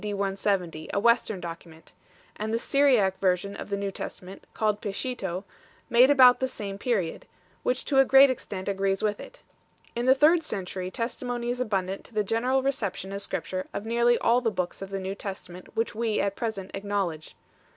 170, a Western document; and the Syriac version of the New Testament, called Peshito, made about the same period, which to a great extent agrees with it. In the third century testimony is abundant to the general reception as Scripture of nearly all the books of the New Testament which we at present acknowledge.